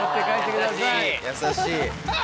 優しい。